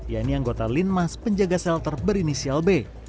yaitu anggota linmas penjaga sel terberinisial b